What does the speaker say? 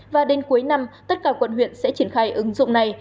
và đến cuối năm tất cả quận huyện sẽ triển khai ứng dụng này